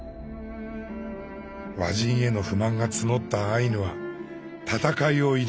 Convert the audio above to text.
和人への不満が募ったアイヌは戦いを挑みます。